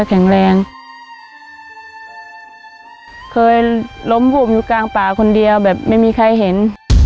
เคยล้มบุบอยู่กลางป่าคนเดียวแบบไม่มีใครเห็น